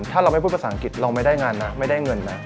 ถ้าเราไม่พูดภาษาอังกฤษเราไม่ได้งานนะไม่ได้เงินนะ